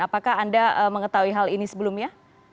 apakah anda mengetahui hal ini sebelumnya